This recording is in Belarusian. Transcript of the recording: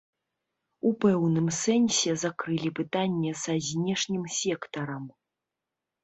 У пэўным сэнсе закрылі пытанне са знешнім сектарам.